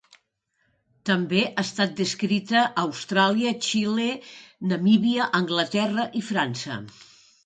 També ha estat descrita a Austràlia, Xile, Namíbia, Anglaterra i França.